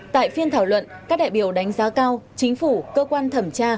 tại phiên thảo luận các đại biểu đánh giá cao chính phủ cơ quan thẩm tra